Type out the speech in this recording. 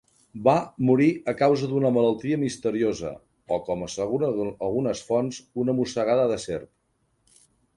Va morir a causa d'una malaltia misteriosa o, com asseguren algunes fonts, una mossegada de serp.